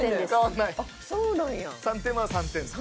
「３点は３点です」